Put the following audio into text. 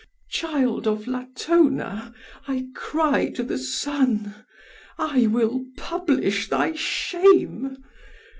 "Child of Latona, I cry to the sun I will publish thy shame!